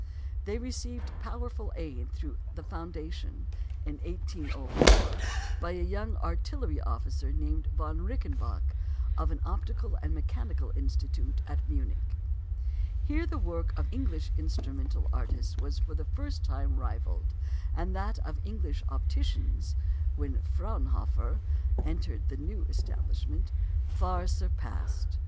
They received powerful aid through the foundation, in 1804, by a young artillery officer named Von Reichenbach, of an Optical and Mechanical Institute at Munich. Here the work of English instrumental artists was for the first time rivalled, and that of English opticians when Fraunhofer entered the new establishment far surpassed.